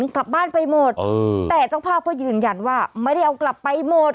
กลับบ้านไปหมดแต่เจ้าภาพก็ยืนยันว่าไม่ได้เอากลับไปหมด